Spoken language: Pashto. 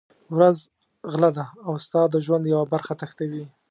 ورځ غله ده او ستا د ژوند یوه برخه تښتوي.